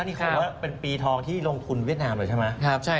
อันนี้เป็นปีทองที่ลงทุนเวียดนามหรือยังใช่มั้ย